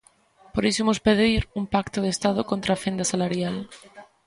Por iso imos pedir un pacto de estado contra a fenda salarial.